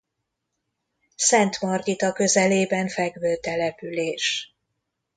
Szentmargita közelében fekvő település.